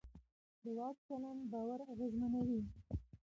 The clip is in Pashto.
د واک چلند باور اغېزمنوي